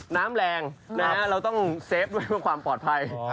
น้ำแรงเราต้องเซฟด้วยเพื่อความปลอดภัย